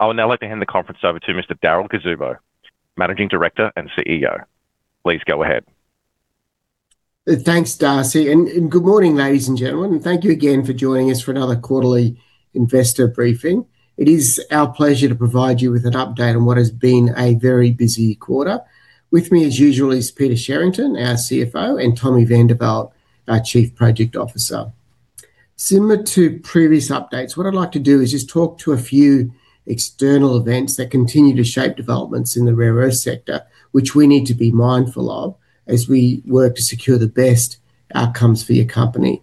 I will now like to hand the conference over to Mr. Darryl Cuzzubbo, Managing Director and CEO. Please go ahead. Thanks, Darcy. Good morning, ladies and gentlemen. Thank you again for joining us for another quarterly investor briefing. It is our pleasure to provide you with an update on what has been a very busy quarter. With me, as usual, is Peter Sherrington, our CFO, and Tommie van der Walt, our Chief Projects Officer. Similar to previous updates, what I'd like to do is just talk to a few external events that continue to shape developments in the rare earth sector, which we need to be mindful of as we work to secure the best outcomes for your company.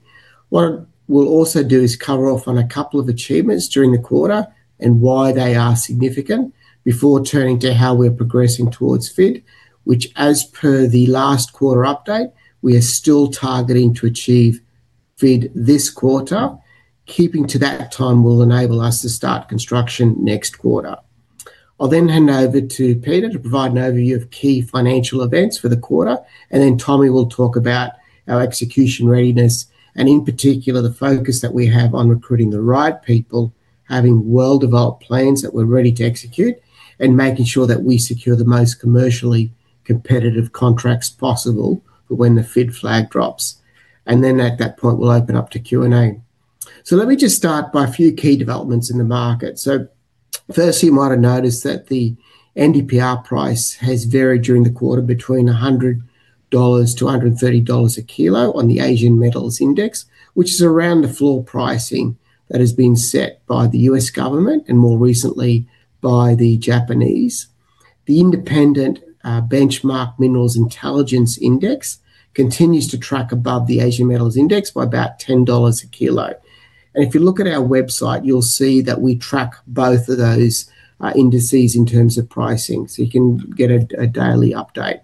What we'll also do is cover off on a couple of achievements during the quarter and why they are significant before turning to how we're progressing towards FID, which as per the last quarter update, we are still targeting to achieve FID this quarter. Keeping to that time will enable us to start construction next quarter. I'll then hand over to Peter to provide an overview of key financial events for the quarter, and then Tommie will talk about our execution readiness, and in particular, the focus that we have on recruiting the right people, having well-developed plans that we're ready to execute, and making sure that we secure the most commercially competitive contracts possible for when the FID flag drops. At that point, we'll open up to Q&A. Let me just start by a few key developments in the market. First, you might have noticed that the NdPr price has varied during the quarter between 100-130 dollars a kilo on the Asian Metal Index, which is around the floor pricing that has been set by the U.S. government and more recently by the Japanese. The independent Benchmark Mineral Intelligence index continues to track above the Asian Metal Index by about 10 dollars a kilo. If you look at our website, you'll see that we track both of those indices in terms of pricing, so you can get a daily update.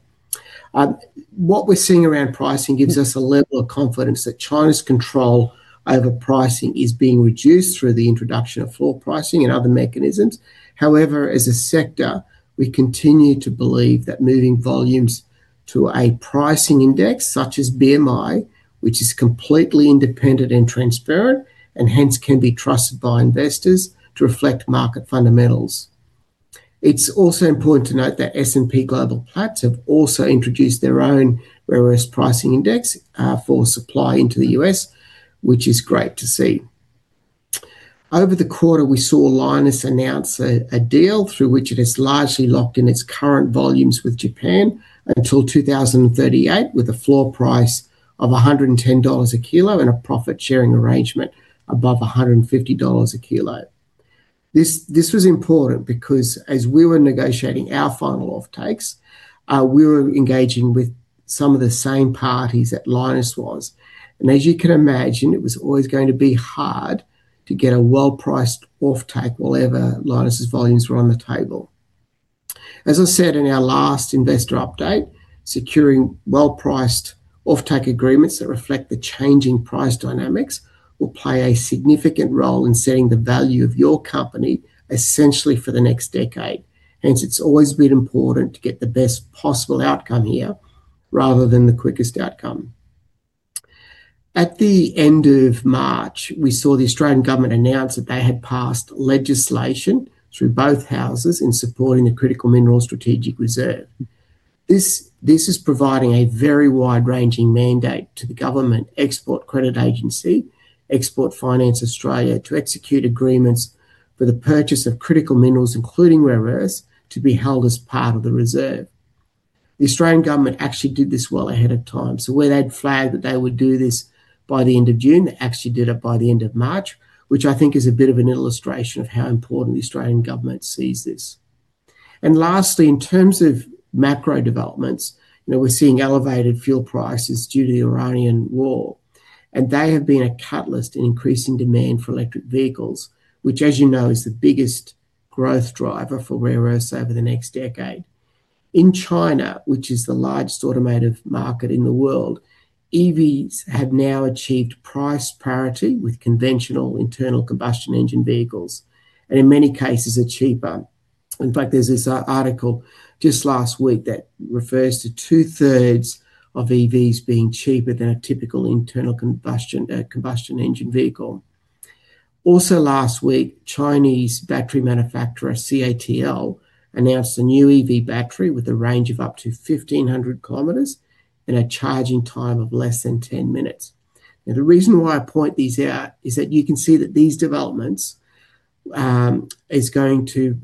What we're seeing around pricing gives us a level of confidence that China's control over pricing is being reduced through the introduction of floor pricing and other mechanisms. As a sector, we continue to believe that moving volumes to a pricing index such as BMI, which is completely independent and transparent and hence can be trusted by investors to reflect market fundamentals. It's also important to note that S&P Global Platts have also introduced their own rare earth pricing index for supply into the U.S., which is great to see. Over the quarter, we saw Lynas announce a deal through which it has largely locked in its current volumes with Japan until 2038 with a floor price of 110 dollars a kilo and a profit-sharing arrangement above 150 dollars a kilo. This was important because as we were negotiating our final off-takes, we were engaging with some of the same parties that Lynas was. As you can imagine, it was always going to be hard to get a well-priced off-take while Lynas's volumes were on the table. As I said in our last investor update, securing well-priced off-take agreements that reflect the changing price dynamics will play a significant role in setting the value of your company, essentially for the next decade. Hence, it's always been important to get the best possible outcome here rather than the quickest outcome. At the end of March, we saw the Australian government announce that they had passed legislation through both houses in supporting the Critical Minerals Strategic Reserve. This is providing a very wide-ranging mandate to the government Export Credit Agency, Export Finance Australia, to execute agreements for the purchase of critical minerals, including rare earths, to be held as part of the reserve. The Australian government actually did this well ahead of time. Where they'd flagged that they would do this by the end of June, they actually did it by the end of March, which I think is a bit of an illustration of how important the Australian Government sees this. Lastly, in terms of macro developments, you know, we're seeing elevated fuel prices due to the Iranian war, and they have been a catalyst in increasing demand for electric vehicles, which, as you know, is the biggest growth driver for rare earths over the next decade. In China, which is the largest automotive market in the world, EVs have now achieved price parity with conventional internal combustion engine vehicles, and in many cases are cheaper. In fact, there's this article just last week that refers to two-thirds of EVs being cheaper than a typical internal combustion engine vehicle. Last week, Chinese battery manufacturer, CATL, announced a new EV battery with a range of up to 1,500 km and a charging time of less than 10 minutes. The reason why I point these out is that you can see that these developments is going to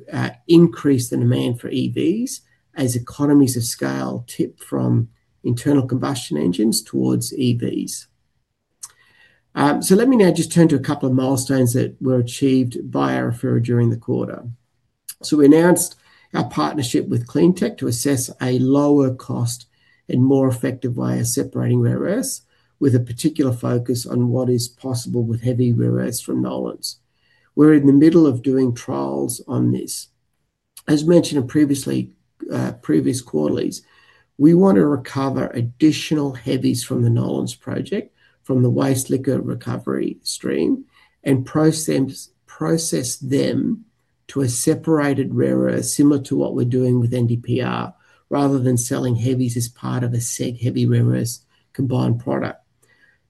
increase the demand for EVs as economies of scale tip from internal combustion engines towards EVs. Let me now just turn to a couple of milestones that were achieved by Arafura during the quarter. We announced our partnership with Clean TeQ Water to assess a lower cost and more effective way of separating rare earths, with a particular focus on what is possible with heavy rare earths from Nolans. We're in the middle of doing trials on this. As mentioned in previously, previous quarterlies, we want to recover additional heavies from the Nolans Project, from the waste liquor recovery stream and process them to a separated rare earth similar to what we're doing with NdPr, rather than selling heavies as part of a SEG heavy rare earths combined product.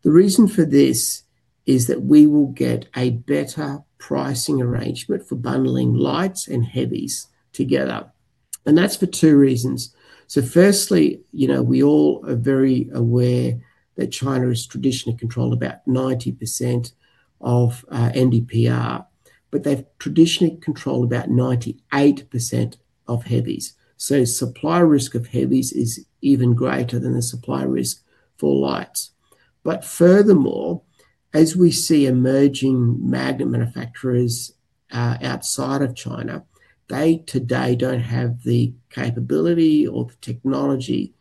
The reason for this is that we will get a better pricing arrangement for bundling lights and heavies together. That's for two reasons. Firstly, you know, we all are very aware that China has traditionally controlled about 90% of NdPr. They've traditionally controlled about 98% of heavies. Supplier risk of heavies is even greater than the supplier risk for lights. Furthermore, as we see emerging magnet manufacturers outside of China, they today don't have the capability or the technology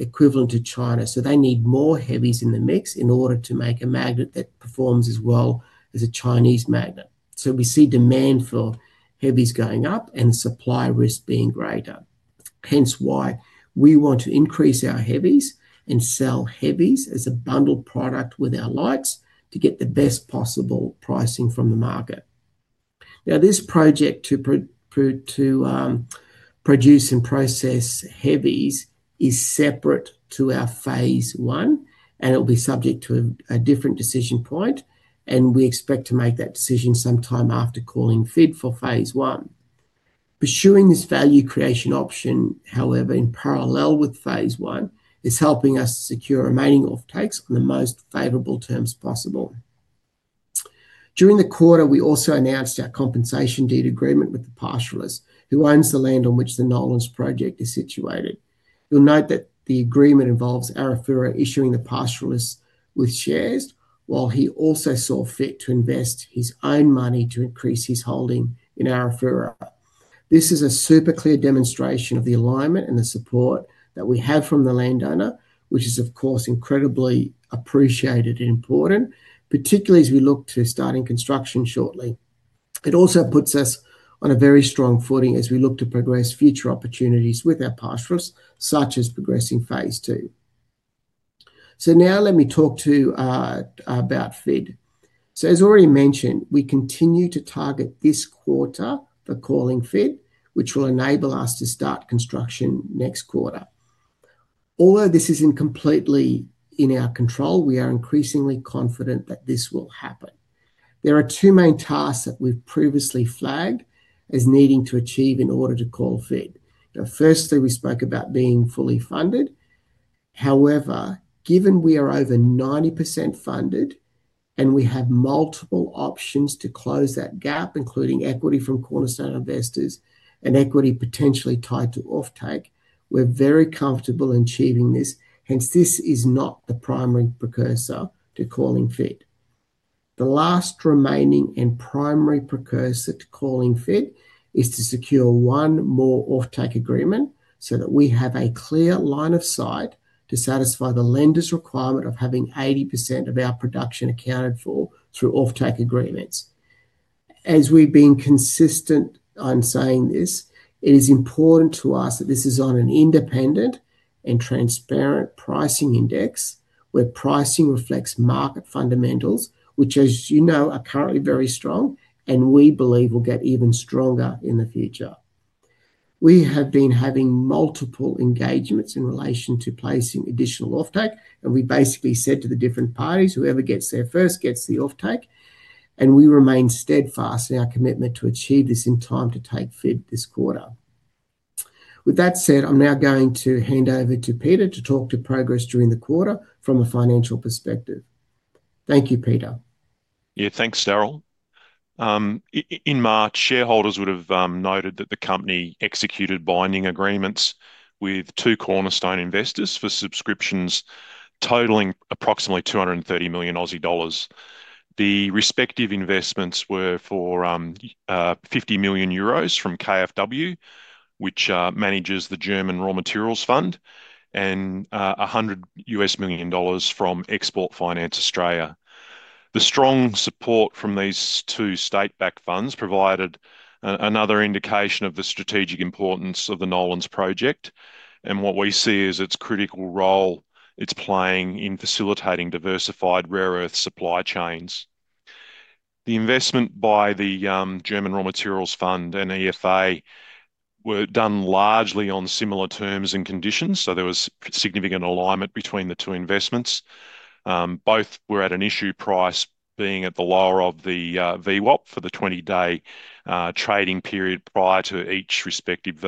equivalent to China. They need more heavies in the mix in order to make a magnet that performs as well as a Chinese magnet. We see demand for heavies going up and supplier risk being greater. Hence why we want to increase our heavies and sell heavies as a bundled product with our lights to get the best possible pricing from the market. This project to produce and process heavies is separate to our phase one, and it will be subject to a different decision point, and we expect to make that decision sometime after calling FID for phase one. Pursuing this value creation option, however, in parallel with phase one, is helping us secure remaining off-takes on the most favorable terms possible. During the quarter, we also announced our compensation deed agreement with the pastoralist who owns the land on which the Nolans Project is situated. You'll note that the agreement involves Arafura issuing the pastoralist with shares, while he also saw fit to invest his own money to increase his holding in Arafura. This is a super clear demonstration of the alignment and the support that we have from the landowner, which is, of course, incredibly appreciated and important, particularly as we look to starting construction shortly. It also puts us on a very strong footing as we look to progress future opportunities with our pastoralist, such as progressing phase two. Now let me talk about FID. As already mentioned, we continue to target this quarter for calling FID, which will enable us to start construction next quarter. Although this isn't completely in our control, we are increasingly confident that this will happen. There are two main tasks that we've previously flagged as needing to achieve in order to call FID. Firstly, we spoke about being fully funded. Given we are over 90% funded and we have multiple options to close that gap, including equity from cornerstone investors and equity potentially tied to off-take, we're very comfortable in achieving this. This is not the primary precursor to calling FID. The last remaining and primary precursor to calling FID is to secure one more off-take agreement so that we have a clear line of sight to satisfy the lender's requirement of having 80% of our production accounted for through off-take agreements. As we've been consistent on saying this, it is important to us that this is on an independent and transparent pricing index where pricing reflects market fundamentals, which as you know, are currently very strong and we believe will get even stronger in the future. We have been having multiple engagements in relation to placing additional off-take, and we basically said to the different parties, "Whoever gets there first gets the off-take." We remain steadfast in our commitment to achieve this in time to take FID this quarter. With that said, I'm now going to hand over to Peter to talk to progress during the quarter from a financial perspective. Thank you, Peter. Thanks, Darryl. In March, shareholders would have noted that the company executed binding agreements with two cornerstone investors for subscriptions totaling approximately 230 million Aussie dollars. The respective investments were for 50 million euros from KfW, which manages the German Raw Materials Fund, and $100 million from Export Finance Australia. The strong support from these two state-backed funds provided another indication of the strategic importance of the Nolans Project and what we see is its critical role it's playing in facilitating diversified rare earth supply chains. The investment by the German Raw Materials Fund and EFA were done largely on similar terms and conditions. There was significant alignment between the two investments. Both were at an issue price being at the lower of the VWAP for the 20-day trading period prior to each respective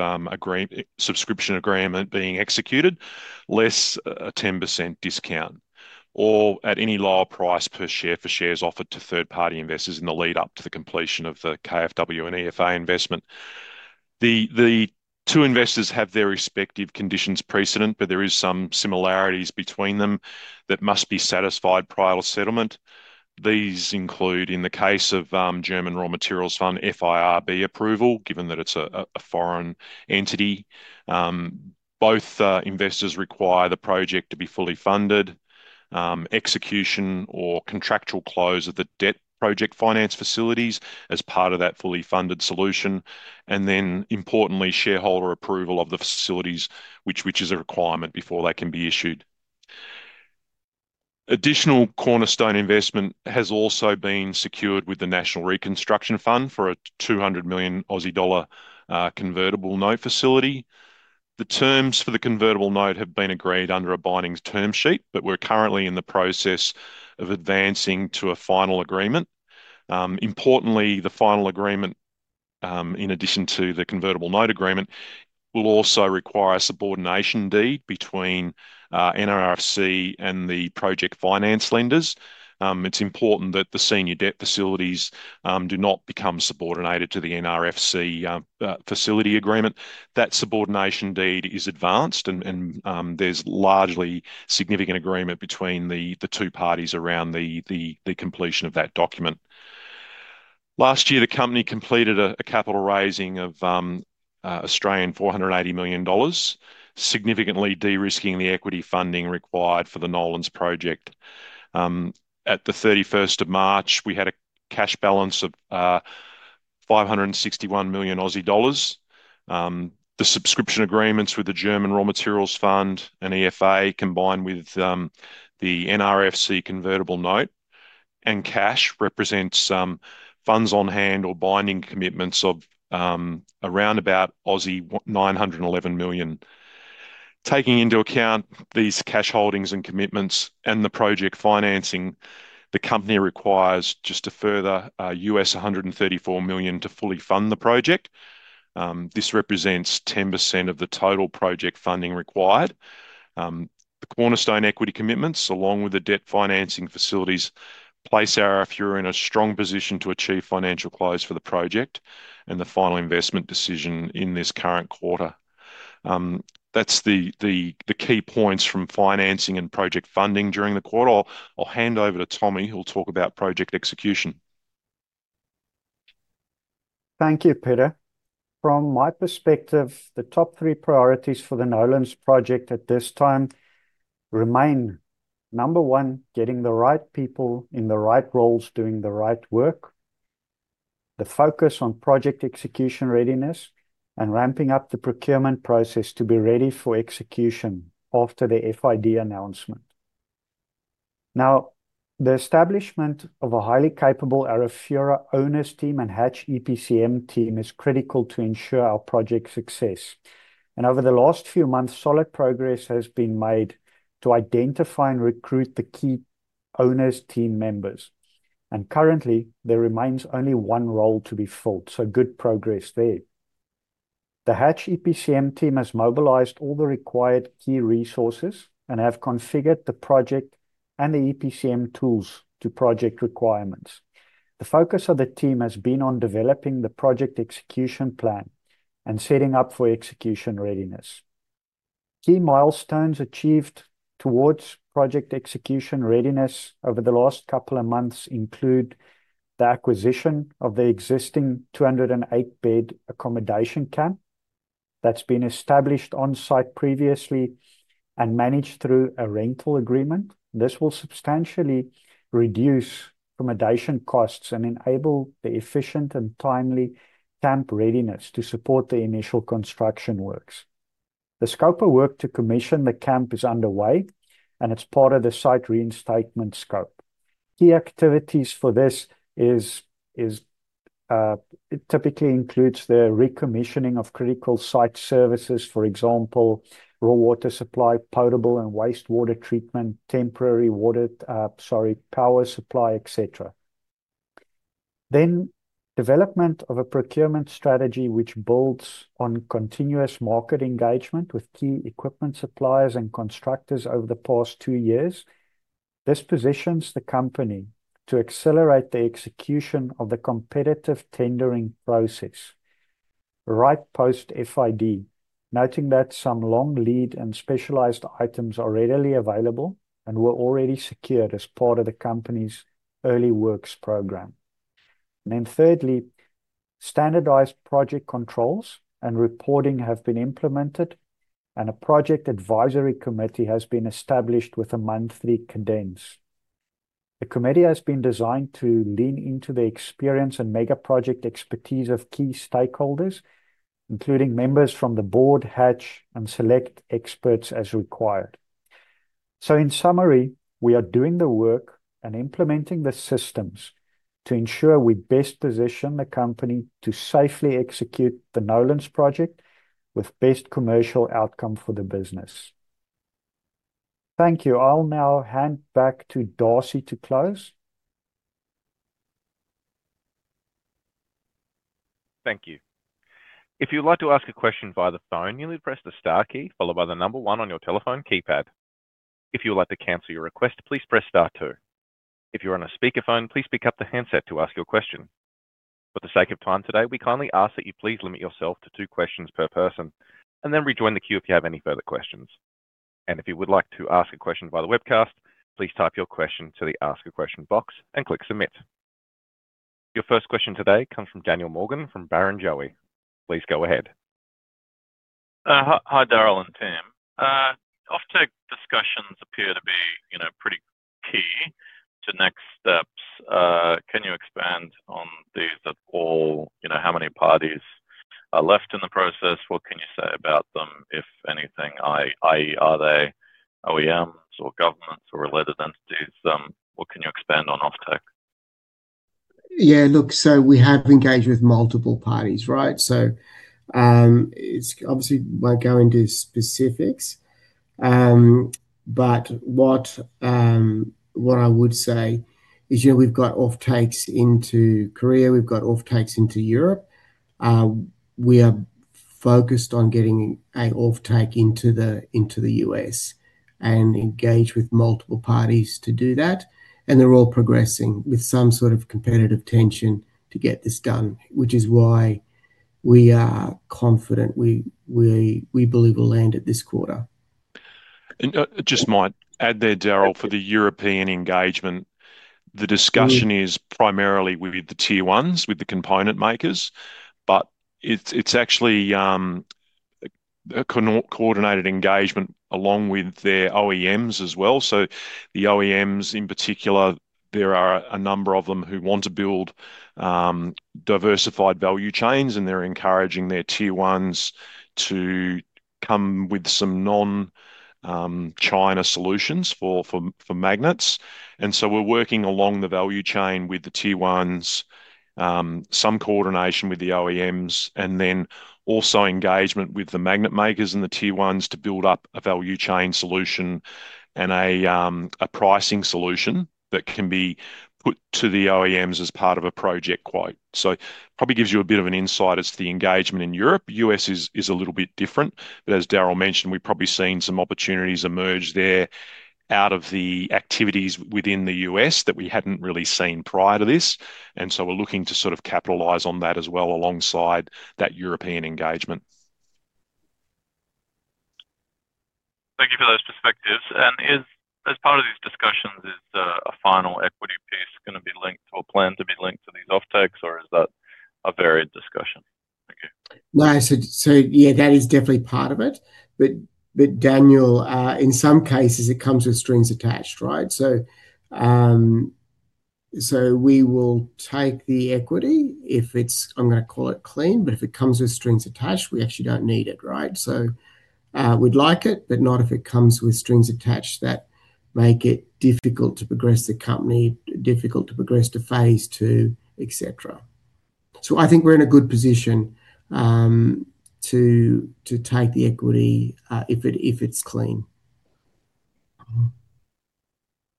subscription agreement being executed, less a 10% discount or at any lower price per share for shares offered to third-party investors in the lead up to the completion of the KfW and EFA investment. The two investors have their respective conditions precedent, there is some similarities between them that must be satisfied prior to settlement. These include, in the case of German Raw Materials Fund, FIRB approval, given that it's a foreign entity. Both investors require the project to be fully funded. Execution or contractual close of the debt project finance facilities as part of that fully funded solution. Importantly, shareholder approval of the facilities, which is a requirement before they can be issued. Additional cornerstone investment has also been secured with the National Reconstruction Fund for a 200 million Aussie dollar convertible note facility. The terms for the convertible note have been agreed under a binding term sheet, but we're currently in the process of advancing to a final agreement. Importantly, the final agreement, in addition to the convertible note agreement, will also require a subordination deed between NRFC and the project finance lenders. It's important that the senior debt facilities do not become subordinated to the NRFC facility agreement. That subordination deed is advanced, and there's largely significant agreement between the two parties around the completion of that document. Last year, the company completed a capital raising of 480 million Australian dollars, significantly de-risking the equity funding required for the Nolans Project. At the 31st of March, we had a cash balance of 561 million Aussie dollars. The subscription agreements with the German Raw Materials Fund and EFA combined with the NRFC convertible note and cash represents funds on hand or binding commitments of around about 911 million. Taking into account these cash holdings and commitments and the project financing, the company requires just a further $134 million to fully fund the project. This represents 10% of the total project funding required. The cornerstone equity commitments, along with the debt financing facilities, place Arafura in a strong position to achieve financial close for the project and the Final Investment Decision in this current quarter. That's the key points from financing and project funding during the quarter. I'll hand over to Tommie, who'll talk about project execution. Thank you, Peter. From my perspective, the top three priorities for the Nolans Project at this time remain, number one, getting the right people in the right roles doing the right work, the focus on project execution readiness, and ramping up the procurement process to be ready for execution after the FID announcement. Now, the establishment of a highly capable Arafura owners team and Hatch EPCM team is critical to ensure our project success. Over the last few months, solid progress has been made to identify and recruit the key owners team members. Currently, there remains only one role to be filled. Good progress there. The Hatch EPCM team has mobilized all the required key resources and have configured the project and the EPCM tools to project requirements. The focus of the team has been on developing the project execution plan and setting up for execution readiness. Key milestones achieved towards project execution readiness over the last couple of months include the acquisition of the existing 208-bed accommodation camp that's been established on-site previously and managed through a rental agreement. This will substantially reduce accommodation costs and enable the efficient and timely camp readiness to support the initial construction works. The scope of work to commission the camp is underway, and it's part of the site reinstatement scope. Key activities for this is, it typically includes the recommissioning of critical site services, for example, raw water supply, potable and wastewater treatment, temporary water, sorry, power supply, et cetera. Development of a procurement strategy which builds on continuous market engagement with key equipment suppliers and constructors over the past two years. This positions the company to accelerate the execution of the competitive tendering process right post-FID, noting that some long lead and specialized items are readily available and were already secured as part of the company's early works program. Thirdly, standardized project controls and reporting have been implemented, and a project advisory committee has been established with a monthly condense. The committee has been designed to lean into the experience and mega-project expertise of key stakeholders, including members from the board, Hatch, and select experts as required. In summary, we are doing the work and implementing the systems to ensure we best position the company to safely execute the Nolans Project with best commercial outcome for the business. Thank you. I'll now hand back to Darcy to close. Thank you. If you'd like to ask a question via the phone, you need to press the star key followed by one on your telephone keypad. If you would like to cancel your request, please press star two. If you're on a speakerphone, please pick up the handset to ask your question. For the sake of time today, we kindly ask that you please limit yourself to two questions per person and then rejoin the queue if you have any further questions. If you would like to ask a question via the webcast, please type your question to the Ask a Question box and click Submit. Your first question today comes from Daniel Morgan from Barrenjoey. Please go ahead. Hi Darryl and team. Offtake discussions appear to be, you know, pretty key to next steps. Can you expand on these at all? You know, how many parties are left in the process? What can you say about them, if anything, i.e., are they OEMs or governments or related entities? What can you expand on offtake? Look, we have engaged with multiple parties, right? It's obviously won't go into specifics. What I would say is, you know, we've got off-takes into Korea, we've got off-takes into Europe. We are focused on getting a off-take into the, into the U.S. and engage with multiple parties to do that, and they're all progressing with some sort of competitive tension to get this done, which is why we are confident we believe we'll land it this quarter. Just might add there, Darryl. Thank you. for the European engagement. The discussion is primarily with the tier ones, with the component makers, but it's actually a co-coordinated engagement along with their OEMs as well. The OEMs in particular, there are a number of them who want to build diversified value chains, and they're encouraging their tier ones to come with some non-China solutions for magnets. We're working along the value chain with the tier ones, some coordination with the OEMs and then also engagement with the magnet makers and the tier ones to build up a value chain solution and a pricing solution that can be put to the OEMs as part of a project quote. Probably gives you a bit of an insight as to the engagement in Europe. U.S. is a little bit different. As Darryl mentioned, we've probably seen some opportunities emerge there out of the activities within the U.S. that we hadn't really seen prior to this. We're looking to sort of capitalize on that as well alongside that European engagement. Thank you for those perspectives. Is, as part of these discussions, a final equity piece gonna be linked or planned to be linked to these off-takes, or is that a varied discussion? Thank you. No, so yeah, that is definitely part of it. Daniel, in some cases it comes with strings attached, right? We will take the equity if it's, I'm gonna call it clean, but if it comes with strings attached, we actually don't need it, right? We'd like it, but not if it comes with strings attached that make it difficult to progress the company, difficult to progress to phase two, et cetera. I think we're in a good position to take the equity if it's clean.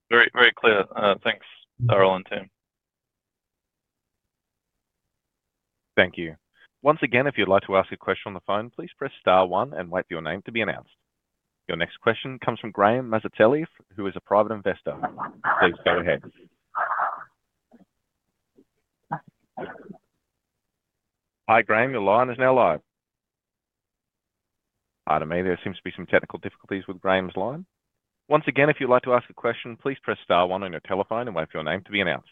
Very, very clear. Thanks Darryl and team. Thank you. Once again, if you'd like to ask a question on the phone, please press star one and wait for your name to be announced. Your next question comes from Graham Mazatelli, who is a private investor. Please go ahead. Hi Graham, your line is now live. Pardon me, there seems to be some technical difficulties with Graham's line. Once again, if you'd like to ask a question, please press star one on your telephone and wait for your name to be announced.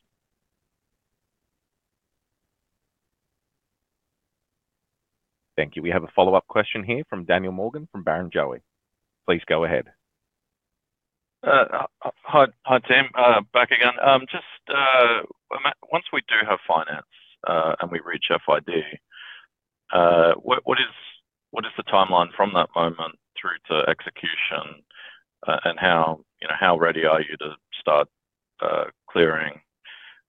Thank you. We have a follow-up question here from Daniel Morgan from Barrenjoey. Please go ahead. Hi, hi team, back again. Just, once we do have finance, and we reach FID, what is the timeline from that moment through to execution? How, you know, how ready are you to start, clearing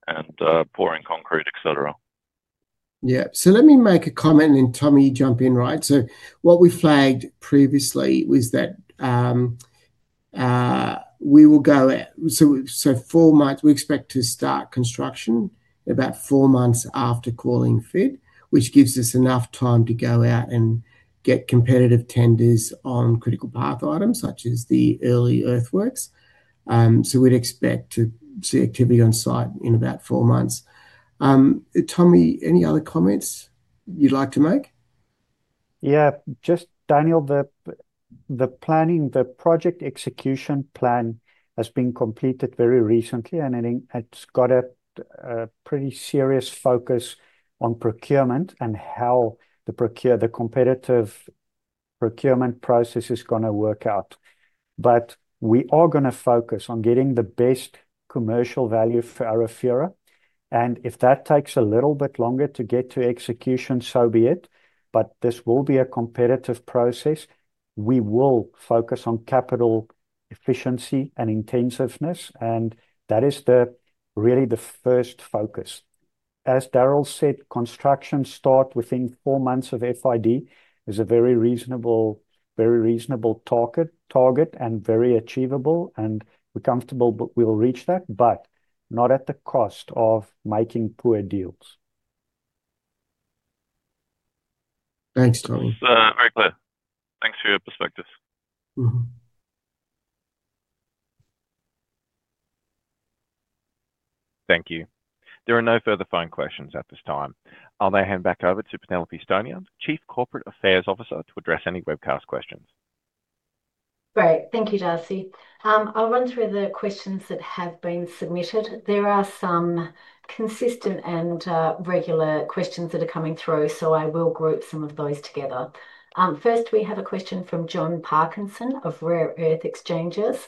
and, pouring concrete, et cetera? Yeah. Let me make a comment, and then Tommie jump in, right? What we flagged previously was that, four months, we expect to start construction about four months after calling FID, which gives us enough time to go out and get competitive tenders on critical path items such as the early earthworks. We'd expect to see activity on site in about four months. Tommie, any other comments you'd like to make? Yeah. Just Daniel, the planning, the project execution plan has been completed very recently, and I think it's got a pretty serious focus on procurement and how the competitive procurement process is gonna work out. We are gonna focus on getting the best commercial value for Arafura, and if that takes a little bit longer to get to execution, so be it. This will be a competitive process. We will focus on capital efficiency and intensiveness, and that is really the first focus. As Darryl said, construction start within four months of FID is a very reasonable target and very achievable, and we're comfortable we'll reach that, but not at the cost of making poor deals. Thanks, Tommie. It's very clear. Thanks for your perspectives. Mm-hmm. Thank you. There are no further phone questions at this time. I'll now hand back over to Penelope Stonier, Chief Corporate Affairs Officer, to address any webcast questions. Great. Thank you, Darcy. I'll run through the questions that have been submitted. There are some consistent and, regular questions that are coming through, so I will group some of those together. First, we have a question from John Parkinson of Rare Earth Exchanges.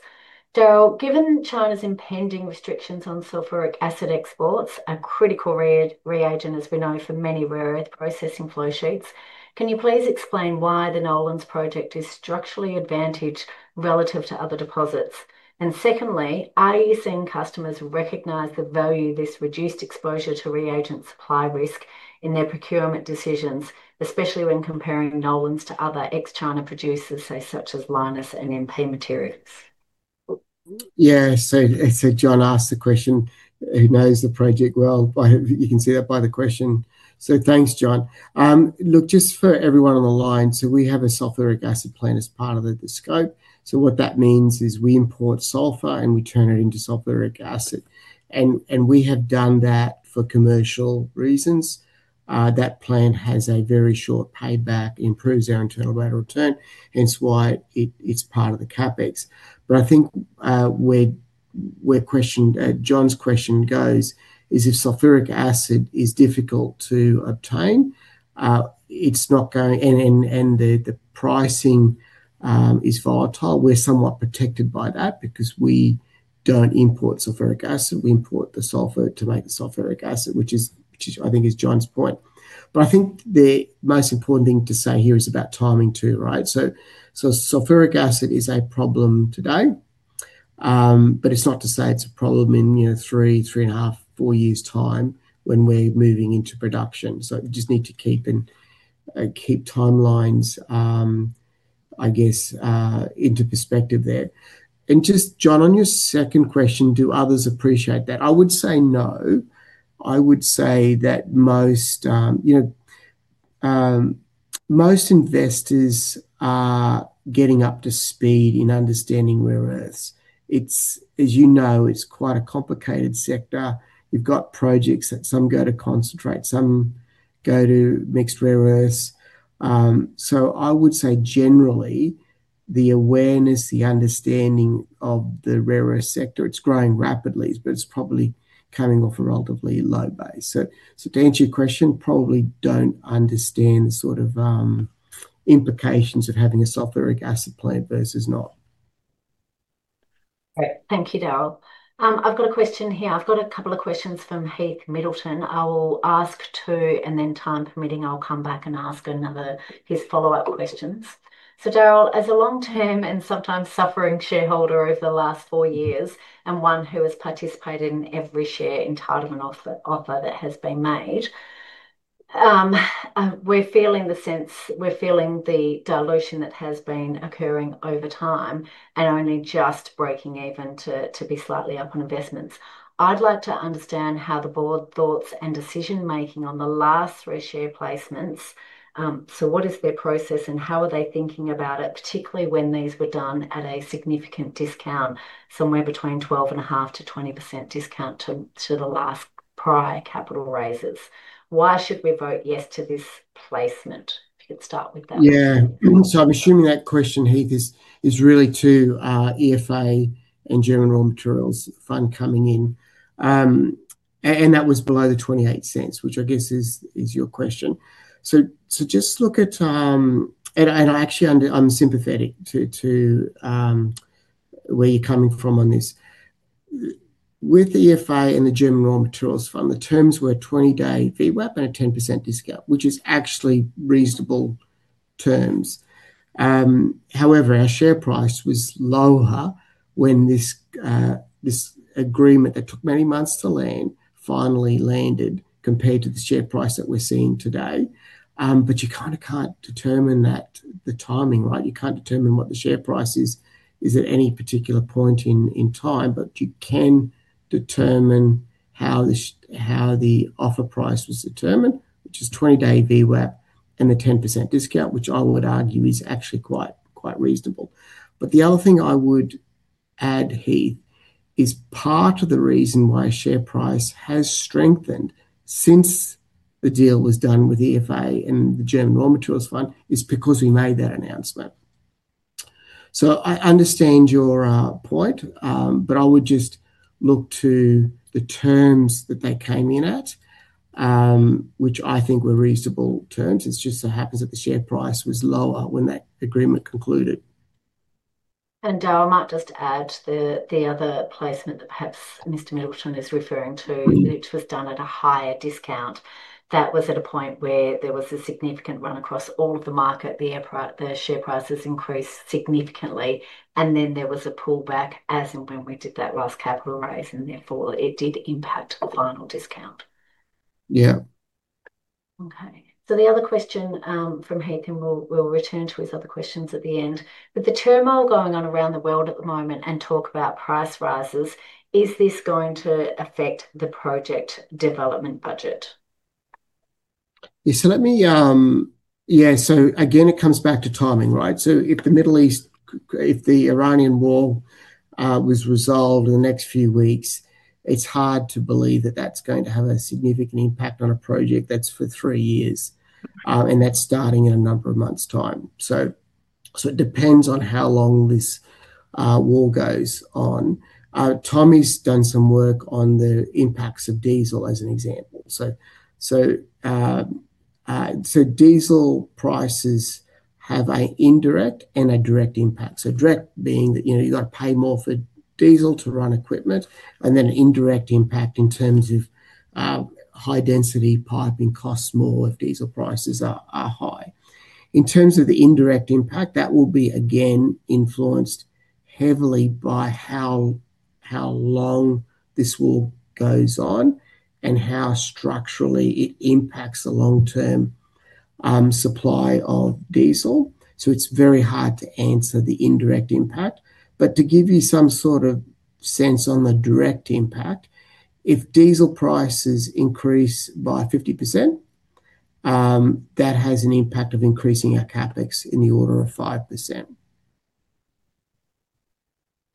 Darryl, given China's impending restrictions on sulfuric acid exports, a critical reagent, as we know, for many rare earth processing flow sheets, can you please explain why the Nolans Project is structurally advantaged relative to other deposits? Secondly, are you seeing customers recognize the value of this reduced exposure to reagent supply risk in their procurement decisions, especially when comparing the Nolans Project to other ex-China producers, say, such as Lynas and MP Materials? John asked the question. He knows the project well, you can see that by the question. Thanks, John. Just for everyone on the line, we have a sulfuric acid plant as part of the scope. What that means is we import sulfur, and we turn it into sulfuric acid. We have done that for commercial reasons. That plant has a very short payback, improves our internal rate of return. Hence why it's part of the CapEx. I think where John's question goes is if sulfuric acid is difficult to obtain, the pricing is volatile. We're somewhat protected by that because we don't import sulfuric acid. We import the sulfur to make the sulfuric acid, which is I think John's point. I think the most important thing to say here is about timing too, right? Sulfuric acid is a problem today. It's not to say it's a problem in, you know, three and a half, four years' time when we're moving into production. Just need to keep timelines, I guess, into perspective there. Just, John, on your second question, do others appreciate that? I would say no. I would say that most, you know, most investors are getting up to speed in understanding rare earths. It's, as you know, quite a complicated sector. You've got projects that some go to concentrate, some go to mixed rare earths. I would say generally the awareness, the understanding of the rare earth sector, it's growing rapidly, but it's probably coming off a relatively low base. To answer your question, probably don't understand the sort of implications of having a sulfuric acid plant versus not. Great. Thank you, Darryl. I've got a question here. I've got a couple of questions from Heath Middleton. I will ask two, and then time permitting, I'll come back and ask another of his follow-up questions. Darryl, as a long-term and sometimes suffering shareholder over the last four years, and one who has participated in every share entitlement offer that has been made, we're feeling the sense, we're feeling the dilution that has been occurring over time and only just breaking even to be slightly up on investments. I'd like to understand how the board thoughts and decision-making on the last three share placements. What is their process and how are they thinking about it, particularly when these were done at a significant discount, somewhere between 12.5%-20% discount to the last prior capital raises. Why should we vote yes to this placement? If you could start with that. I'm assuming that question, Heath, is really to EFA and German Raw Materials Fund coming in. That was below the 0.28, which I guess is your question. I'm sympathetic to where you're coming from on this. With EFA and the German Raw Materials Fund, the terms were a 20-day VWAP and a 10% discount, which is actually reasonable terms. However, our share price was lower when this agreement that took many months to land finally landed compared to the share price that we're seeing today. You kind of can't determine that, the timing, right? You can't determine what the share price is at any particular point in time. You can determine how the offer price was determined, which is 20-day VWAP and the 10% discount, which I would argue is actually quite reasonable. The other thing I would add, Heath, is part of the reason why share price has strengthened since the deal was done with EFA and the German Raw Materials Fund is because we made that announcement. I understand your point. I would just look to the terms that they came in at, which I think were reasonable terms. It just so happens that the share price was lower when that agreement concluded. Darryl, I might just add the other placement that perhaps Mr. Middleton is referring to, which was done at a higher discount. That was at a point where there was a significant run across all of the market. The share prices increased significantly and then there was a pullback as and when we did that last capital raise, and therefore it did impact the final discount. Yeah. Okay. The other question from Heath, and we'll return to his other questions at the end. With the turmoil going on around the world at the moment and talk about price rises, is this going to affect the project development budget? Again, it comes back to timing, right? If the Middle East, if the Iranian war was resolved in the next few weeks, it's hard to believe that that's going to have a significant impact on a project that's for three years. That's starting in a number of months' time. It depends on how long this war goes on. Tommie's done some work on the impacts of diesel as an example. Diesel prices have an indirect and a direct impact. Direct being that, you know, you've got to pay more for diesel to run equipment, and then an indirect impact in terms of high density piping costs more if diesel prices are high. In terms of the indirect impact, that will be again influenced heavily by how long this war goes on and how structurally it impacts the long-term supply of diesel. It's very hard to answer the indirect impact. To give you some sort of sense on the direct impact, if diesel prices increase by 50%, that has an impact of increasing our CapEx in the order of 5%.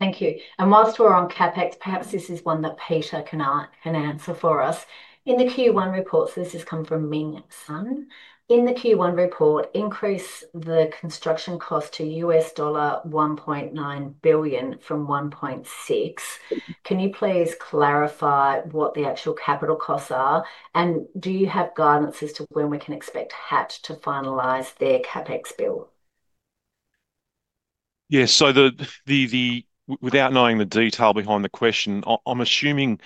Thank you. Whilst we're on CapEx, perhaps this is one that Peter can answer for us. In the Q1 report, this has come from Ming Sun. In the Q1 report, increase the construction cost to $1.9 billion from $1.6 billion. Can you please clarify what the actual capital costs are, and do you have guidance as to when we can expect Hatch to finalize their CapEx bill? Yeah. Without knowing the detail behind the question, I'm assuming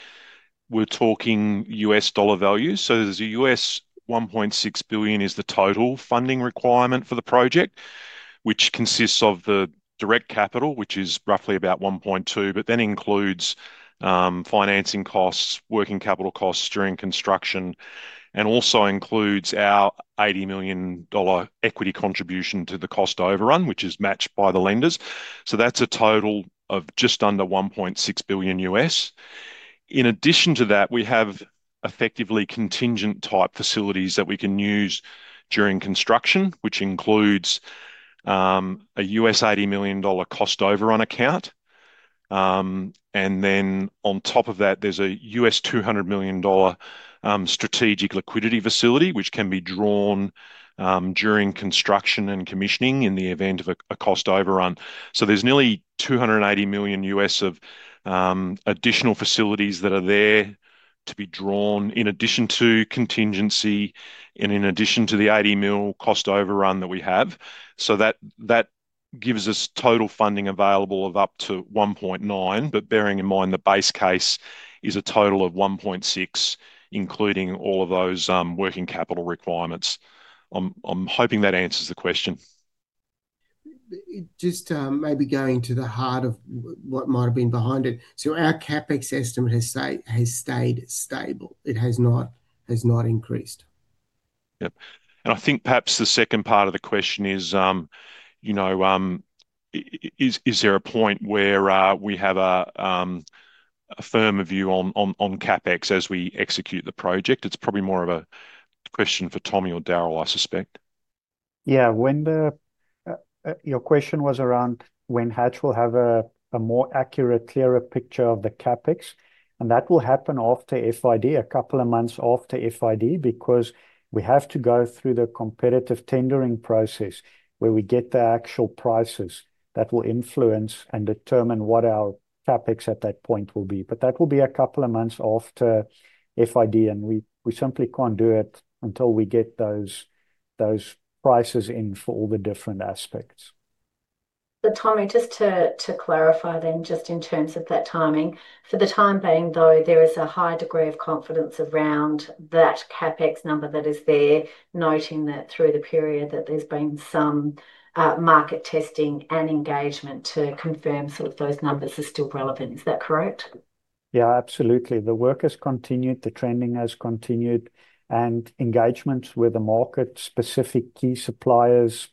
we're talking US dollar values. There's a $1.6 billion is the total funding requirement for the project. Which consists of the direct capital, which is roughly about $1.2 billion, but then includes financing costs, working capital costs during construction, and also includes our $80 million equity contribution to the cost overrun, which is matched by the lenders. That's a total of just under $1.6 billion. In addition to that, we have effectively contingent type facilities that we can use during construction, which includes a $80 million cost overrun account. On top of that, there's a $200 million strategic liquidity facility which can be drawn during construction and commissioning in the event of a cost overrun. There's nearly $280 million of additional facilities that are there to be drawn in addition to contingency and in addition to the $80 million cost overrun that we have. That gives us total funding available of up to $1.9, but bearing in mind the base case is a total of $1.6, including all of those working capital requirements. I'm hoping that answers the question. It just maybe going to the heart of what might have been behind it. Our CapEx estimate has stayed stable. It has not increased. Yep. I think perhaps the second part of the question is, you know, is there a point where we have a firmer view on CapEx as we execute the project? It's probably more of a question for Tommie or Darryl, I suspect. Your question was around when Hatch will have a more accurate, clearer picture of the CapEx, and that will happen after FID, a couple of months after FID because we have to go through the competitive tendering process where we get the actual prices that will influence and determine what our CapEx at that point will be. That will be a couple of months after FID, and we simply can't do it until we get those prices in for all the different aspects. Tommie, just to clarify then, just in terms of that timing. For the time being, though, there is a high degree of confidence around that CapEx number that is there, noting that through the period that there's been some market testing and engagement to confirm sort of those numbers are still relevant. Is that correct? Yeah, absolutely. The work has continued, the trending has continued, and engagements with the market-specific key suppliers,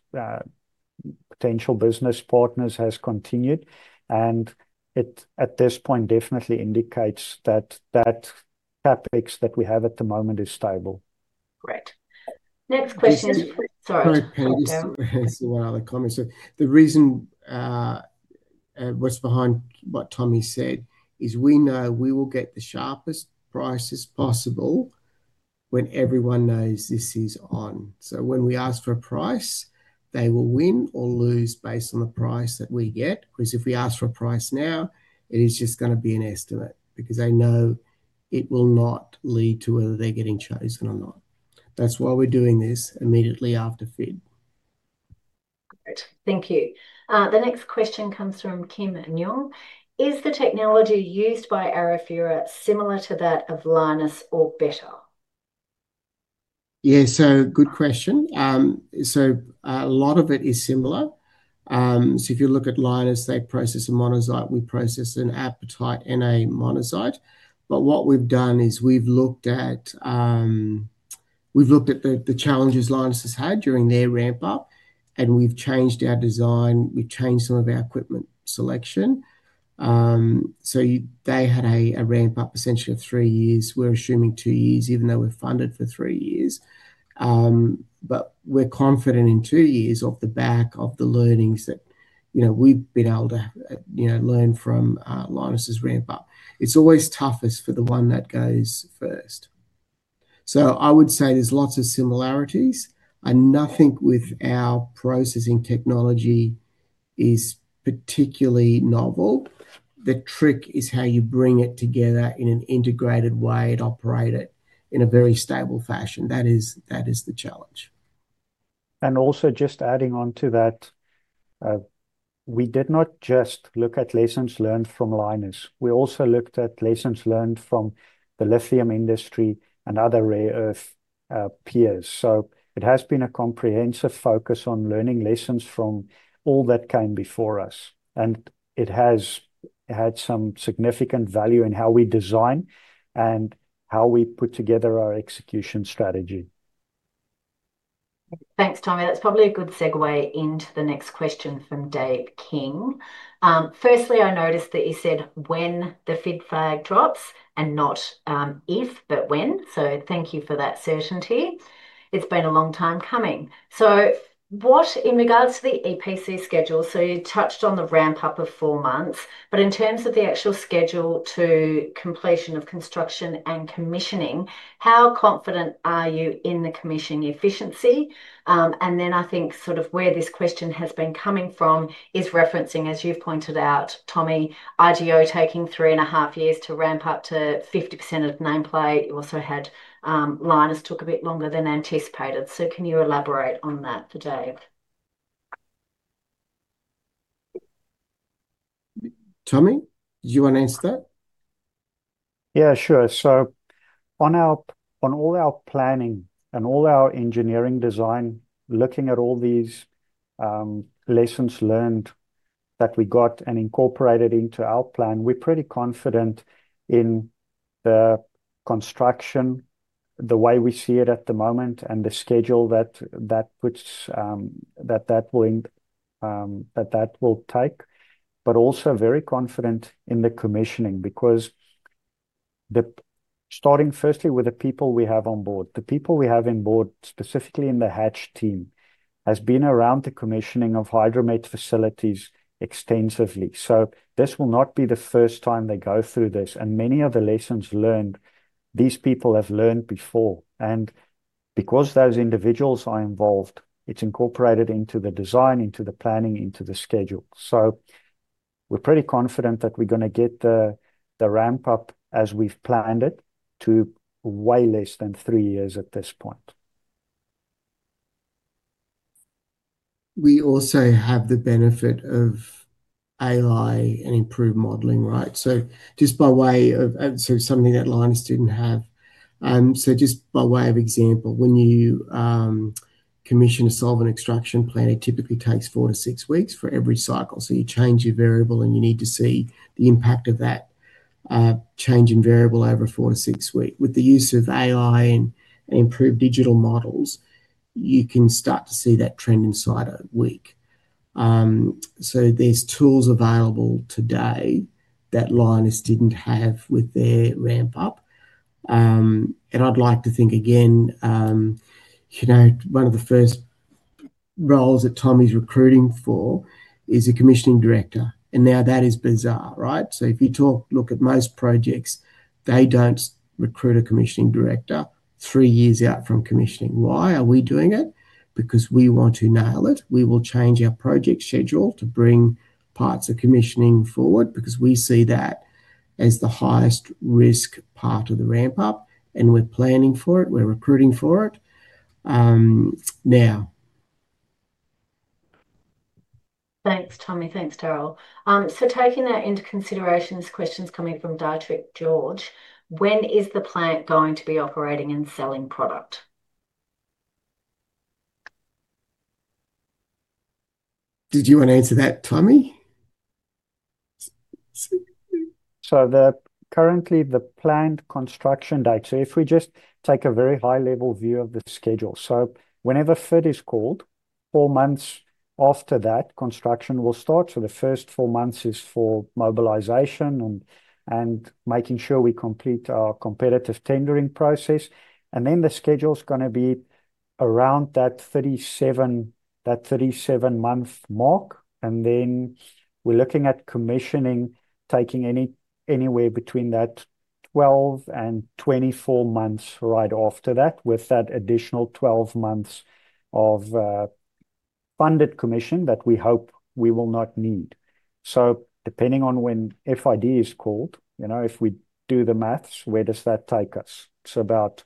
potential business partners has continued, and it at this point definitely indicates that that CapEx that we have at the moment is stable. Great. Next question. Can I- Sorry. Can I paint? Go, Darryl... just one other comment. The reason what's behind what Tommie said is we know we will get the sharpest prices possible when everyone knows this is on. When we ask for a price, they will win or lose based on the price that we get. If we ask for a price now, it is just gonna be an estimate, because they know it will not lead to whether they're getting chosen or not. That's why we're doing this immediately after FID. Great. Thank you. The next question comes from Kim Nyong. Is the technology used by Arafura similar to that of Lynas or better? Yeah. Good question. A lot of it is similar. If you look at Lynas, they process a monazite, we process an apatite and a monazite. What we've done is we've looked at, we've looked at the challenges Lynas has had during their ramp-up, and we've changed our design. We've changed some of our equipment selection. They had a ramp-up essentially of three years. We're assuming two years, even though we're funded for three years. We're confident in two years off the back of the learnings that, you know, we've been able to, you know, learn from Lynas's ramp-up. It's always toughest for the one that goes first. I would say there's lots of similarities, and nothing with our processing technology is particularly novel. The trick is how you bring it together in an integrated way and operate it in a very stable fashion. That is, that is the challenge. Also just adding on to that, we did not just look at lessons learned from Lynas. We also looked at lessons learned from the lithium industry and other rare earth peers. It has been a comprehensive focus on learning lessons from all that came before us. It has had some significant value in how we design and how we put together our execution strategy. Thanks, Tommie. That's probably a good segue into the next question from Dave King. Firstly, I noticed that you said when the FID flag drops and not if, but when. Thank you for that certainty. It's been a long time coming. What, in regards to the EPC schedule, you touched on the ramp up of four months. In terms of the actual schedule to completion of construction and commissioning, how confident are you in the commission efficiency? And then I think sort of where this question has been coming from is referencing, as you've pointed out, Tommie, IGO taking 3.5 Years to ramp up to 50% of nameplate. You also had, Lynas took a bit longer than anticipated. Can you elaborate on that for Dave? Tommie, do you want to answer that? Yeah, sure. On our, on all our planning and all our engineering design, looking at all these lessons learned that we got and incorporated into our plan, we're pretty confident in the construction, the way we see it at the moment and the schedule that puts, that will take. Also very confident in the commissioning because starting firstly with the people we have on board. The people we have on board, specifically in the Hatch team, has been around the commissioning of Hydro-Met facilities extensively. This will not be the first time they go through this. Many of the lessons learned, these people have learned before. Because those individuals are involved, it's incorporated into the design, into the planning, into the schedule. We're pretty confident that we're gonna get the ramp up as we've planned it to way less than three years at this point. We also have the benefit of AI and improved modeling, right? Just by way of something that Lynas didn't have. Just by way of example, when you commission a solvent extraction plant, it typically takes four to six weeks for every cycle. You change your variable, and you need to see the impact of that change in variable over four to six weeks. With the use of AI and improved digital models, you can start to see that trend inside a week. There's tools available today that Lynas didn't have with their ramp up. I'd like to think again, you know, one of the first roles that Tommie's recruiting for is a commissioning director. Now that is bizarre, right? If you talk, look at most projects, they don't recruit a commissioning director three years out from commissioning. Why are we doing it? Because we want to nail it. We will change our project schedule to bring parts of commissioning forward because we see that as the highest risk part of the ramp up, and we're planning for it, we're recruiting for it now. Thanks, Tommie. Thanks, Darryl. Taking that into consideration, this question's coming from Dietrich George. When is the plant going to be operating and selling product? Did you want to answer that, Tommie? Currently the planned construction date. If we just take a very high-level view of the schedule. Whenever FID is called, four months after that, construction will start. The first four months is for mobilization and making sure we complete our competitive tendering process. The schedule is going to be around that 37 month mark. We are looking at commissioning taking anywhere between that 12 and 24 months right after that, with that additional 12 months of funded commission that we hope we will not need. Depending on when FID is called, you know, if we do the maths, where does that take us? It is about,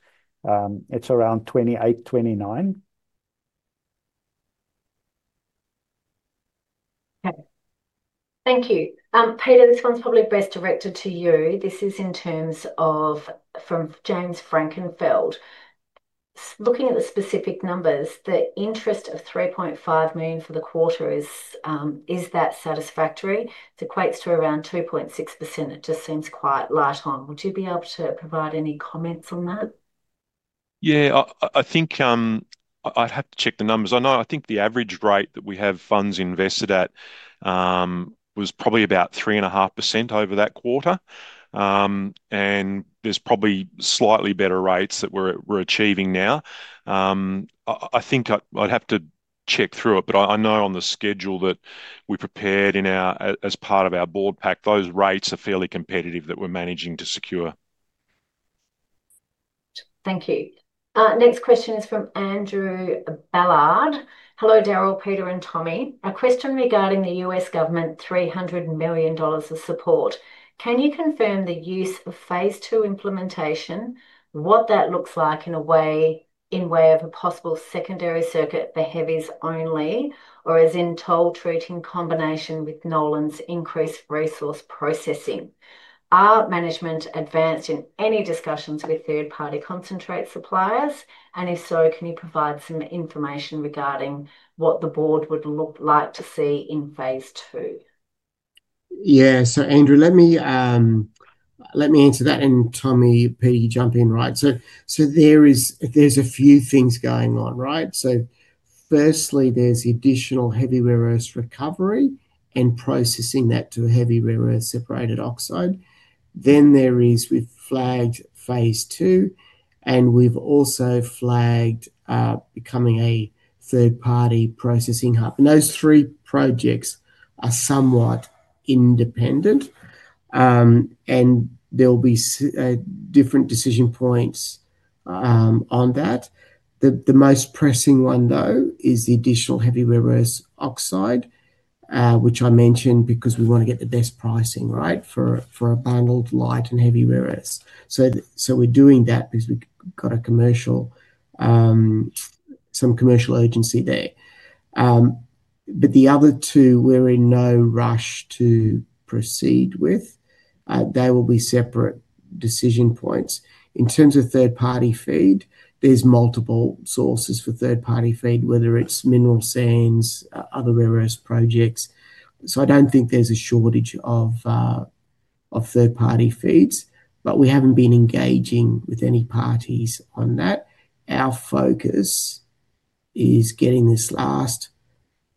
it is around 2028, 2029. Okay. Thank you. Peter, this one's probably best directed to you. This is in terms of, from James Frankenfeld. Looking at the specific numbers, the interest of 3.5 million for the quarter is that satisfactory? It equates to around 2.6%. It just seems quite light on. Would you be able to provide any comments on that? Yeah. I think I'd have to check the numbers. I know, I think the average rate that we have funds invested at was probably about 3.5% over that quarter. There's probably slightly better rates that we're achieving now. I think I'd have to check through it. I know on the schedule that we prepared in our as part of our board pack, those rates are fairly competitive that we're managing to secure. Thank you. Next question is from Andrew Ballard. Hello Darryl, Peter, and Tommie. A question regarding the US government $300 million of support. Can you confirm the use of phase two implementation, what that looks like in a way, in way of a possible secondary circuit for heavies only? Or is in toll treat in combination with Nolans increased resource processing? Are management advanced in any discussions with third-party concentrate suppliers? If so, can you provide some information regarding what the board would look like to see in phase two? Yeah. Andrew, let me answer that and Tommie, Pete, jump in. Right. There is, there's a few things going on, right? Firstly, there's the additional heavy rare earths recovery and processing that to a heavy rare earths separated oxide. There is with flagged phase two, and we've also flagged becoming a third-party processing hub. Those three projects are somewhat independent. There'll be different decision points on that. The most pressing one though is the additional heavy rare earths oxide, which I mentioned because we want to get the best pricing, right, for a bundled light and heavy rare earths. We're doing that because we've got a commercial, some commercial agency there. The other two we're in no rush to proceed with. They will be separate decision points. In terms of third-party FID, there's multiple sources for third-party FID, whether it's Mineral Sands, other rare earths projects. I don't think there's a shortage of third-party feeds. We haven't been engaging with any parties on that. Our focus is getting this last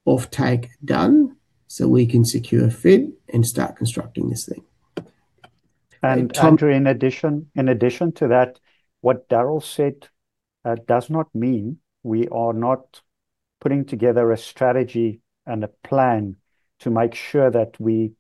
offtake done so we can secure FID and start constructing this thing. Andrew, in addition to that, what Darryl said, does not mean we are not putting together a strategy and a plan to make sure that we